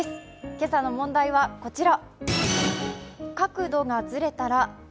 今朝の問題は、こちら。